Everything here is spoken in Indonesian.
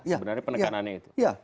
sebenarnya penekanannya itu